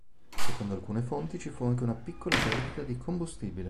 Secondo alcune fonti ci fu anche una piccola perdita di combustibile.